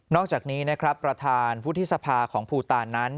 อกจากนี้นะครับประธานวุฒิสภาของภูตานนั้น